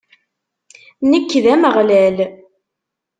Nekk, d Ameɣlal.